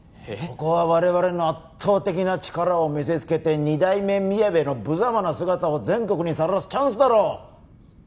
ここは我々の圧倒的な力を見せつけて二代目みやべの無様な姿を全国にさらすチャンスだろ！